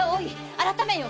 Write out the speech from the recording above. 改めよ！